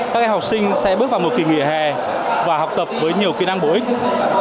các em học sinh sẽ bước vào một kỳ nghỉ hè và học tập với nhiều kỹ năng bổ ích